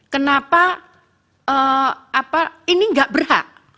kenapa ini tidak berhak